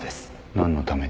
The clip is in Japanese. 何のために？